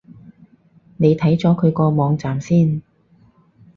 你睇咗佢個網站先